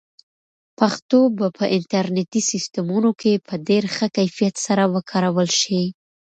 پښتو به په انټرنیټي سیسټمونو کې په ډېر ښه کیفیت سره وکارول شي.